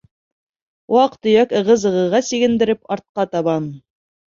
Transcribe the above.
Ваҡ-төйәк, ығы-зығыға Сигендереп артҡа табан.